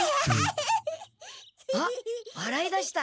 あっわらいだした。